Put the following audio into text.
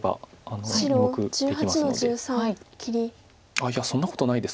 あっいやそんなことないですか。